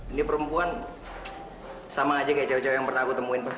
ini perempuan sama aja kayak cewek cewek yang pernah aku temuin